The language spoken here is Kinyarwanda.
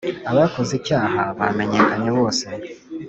Abakoze icyaha bamenyekanye bose